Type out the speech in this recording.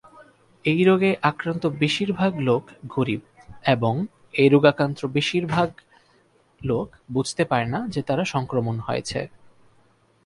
এই রোগে আক্রান্ত বেশির ভাগ লোক গরিব এবং এই রোগাক্রান্ত বেশির ভাগ লোক বুঝতে পারেনা যে তাদের সংক্রমণ হয়েছে।